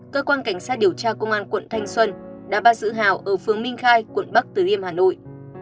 cơ quan cảnh sát điều tra công an quận thanh xuân đã bắt giữ hào ở phường minh khai quận bắc từ liêm hà nội